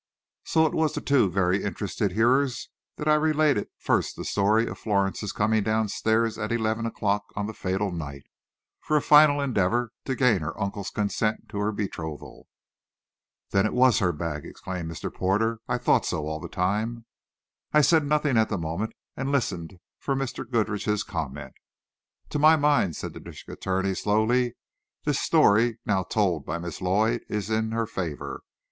So it was to two very interested hearers that I related first the story of Florence's coming downstairs at eleven o'clock on the fatal night, for a final endeavor to gain her uncle's consent to her betrothal. "Then it was her bag!" exclaimed Mr. Porter. "I thought so all the time." I said nothing at the moment and listened for Mr. Goodrich's comment. "To my mind," said the district attorney slowly, "this story, told now by Miss Lloyd, is in her favor.